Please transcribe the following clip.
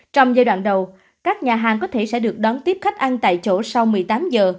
trong giai đoạn đầu các nhà hàng có thể sẽ được đón tiếp khách ăn tại chỗ sau một mươi tám giờ